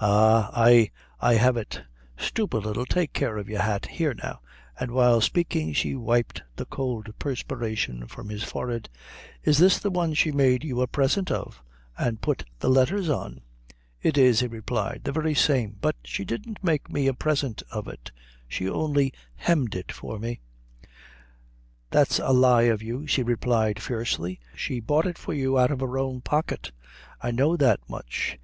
"Ah, ay, I have it; stoop a little; take care of your hat; here now," and while speaking she wiped the cold perspiration from his forehead. "Is this the one she made you a present of, an' put the letthers on?" "It is," he replied, "the very same but she didn't make me a present of it, she only hemmed it for me." "That's a lie of you," she replied, fiercely; "she bought it for you out of her own pocket. I know that much.